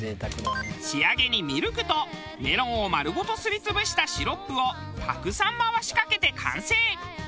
仕上げにミルクとメロンを丸ごとすり潰したシロップをたくさん回しかけて完成。